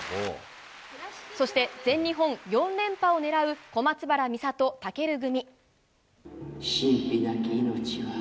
そして全日本４連覇を狙う小松原美里、尊組。